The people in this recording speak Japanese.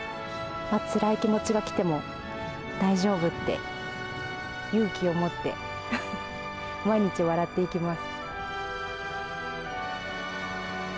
つらい気持ちが来ても、大丈夫って、勇気を持って、毎日笑って生きます。